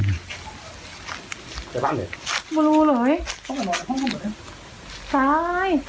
ไม่รู้เลย